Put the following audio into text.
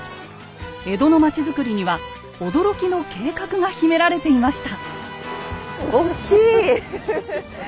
江戸の町づくりには驚きの計画が秘められていました。